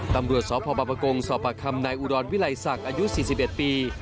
ตำรวจสพปกงสปคในอุดรวิลัยศักดิ์อายุสิบสิบเอ็ดปี